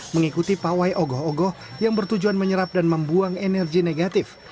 mengikuti pawai ogoh ogoh yang bertujuan menyerap dan membuang energi negatif